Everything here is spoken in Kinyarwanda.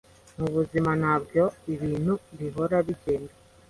Mu buzima ntabwo ibintu bihora bigenda